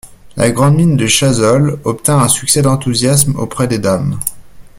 La grande mine de Chazolles obtint un succès d'enthousiasme auprès des dames.